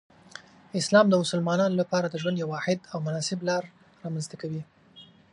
اسلام د مسلمانانو لپاره د ژوند یو واحد او مناسب لار رامنځته کوي.